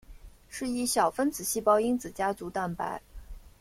是一小分子细胞因子家族蛋白。